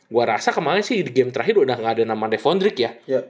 gue rasa kemarin sih di game terakhir udah gak ada nama defoundrik ya